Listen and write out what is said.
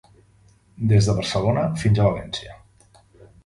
Des de Barcelona fins a València.